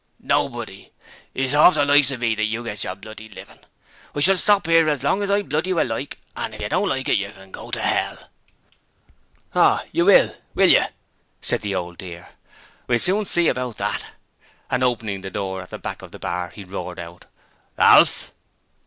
Nobody! It's orf the likes of me that you gets your bloody livin'! I shall stop 'ere as long as I bloody well like, and if you don't like it you can go to 'ell!' 'Oh! Yer will, will yer?' said the Old Dear. 'We'll soon see about that.' And, opening the door at the back of the bar, he roared out: 'Alf!'